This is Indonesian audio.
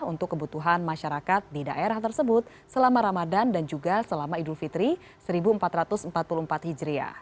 untuk kebutuhan masyarakat di daerah tersebut selama ramadan dan juga selama idul fitri seribu empat ratus empat puluh empat hijriah